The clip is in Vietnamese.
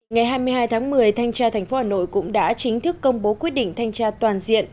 ngày hai mươi hai tháng một mươi thanh tra tp hà nội cũng đã chính thức công bố quyết định thanh tra toàn diện